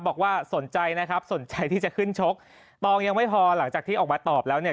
บอกว่าสนใจนะครับสนใจที่จะขึ้นชกตองยังไม่พอหลังจากที่ออกมาตอบแล้วเนี่ย